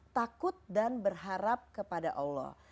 takut dan berharap kepada allah